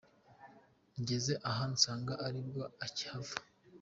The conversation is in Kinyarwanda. Njyeze aha nsanga aribwo akihava.